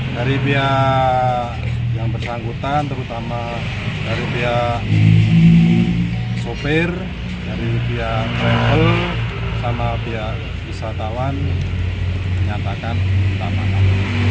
dari biar yang bersangkutan terutama dari biar sopir dari biar rehol sama biar wisatawan menyatakan tamangan